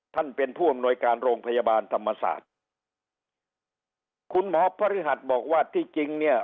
ท่านเป็นผู้อำนวยการโรงพยาบาลธรรมศาสตร์คุณหมอพระฤหัสบอกว่าที่จริงเนี่ย